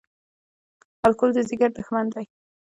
الکول د ځیګر دښمن دی